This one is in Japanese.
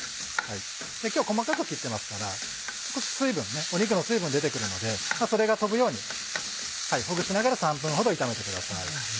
今日細かく切ってますから少し水分ね肉の水分出てくるのでそれが飛ぶようにほぐしながら３分ほど炒めてください。